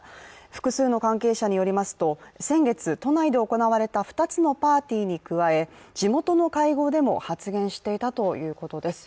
複数の関係者によりますと先月、都内で行われた２つのパーティーに加え地元の会合でも発言していたということです。